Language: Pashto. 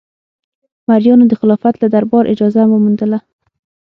مریانو د خلافت له دربار اجازه وموندله.